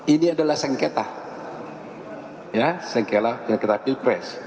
ini adalah sengketa ya sengkela sengketa pilpres